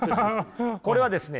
これはですね